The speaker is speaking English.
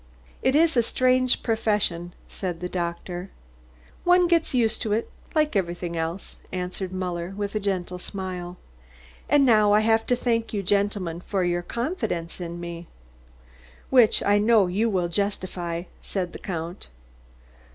"It is a strange profession," said the doctor. "One gets used to it like everything else," answered Muller, with a gentle smile. "And now I have to thank you gentlemen for your confidence in me." "Which I know you will justify," said the Count.